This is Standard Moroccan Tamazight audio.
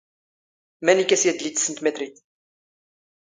ⵎⴰⵏⵉⴽ ⴰⵙ ⵢⴰⴷⵍⵍⵉ ⵜⵙⵙⵏⵜ ⵎⴰ ⵜⵔⵉⵜ?